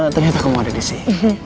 ternyata kamu ada disini